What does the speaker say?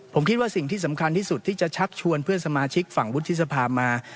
ผมคิดว่าสิ่งที่สำคัญที่สุดที่จะชักชวนเพื่อนสมาชิกฝั่งวุฒิสภามา